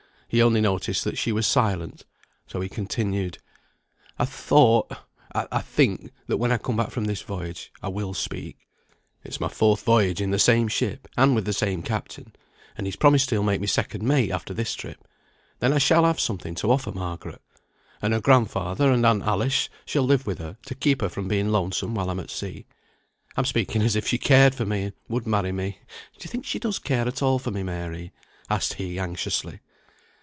He only noticed that she was silent, so he continued: "I thought I think, that when I come back from this voyage, I will speak. It's my fourth voyage in the same ship, and with the same captain, and he's promised he'll make me second mate after this trip; then I shall have something to offer Margaret; and her grandfather, and aunt Alice, shall live with her, to keep her from being lonesome while I'm at sea. I'm speaking as if she cared for me, and would marry me; d'ye think she does care at all for me, Mary?" asked he, anxiously.